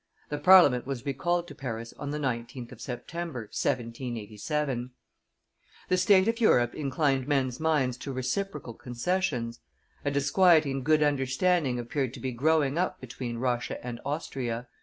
The Parliament was recalled to Paris on the 19th of September, 1787. The state of Europe inclined men's minds to reciprocal concessions; a disquieting good understanding appeared to be growing up between Russia and Austria.